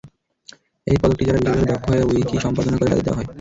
এই পদকটি যারা বিশেষভাবে দক্ষ হয়ে উইকি সম্পাদনা করেন তাদের দেওয়া হয়।